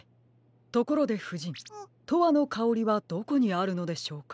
ところでふじん「とわのかおり」はどこにあるのでしょうか。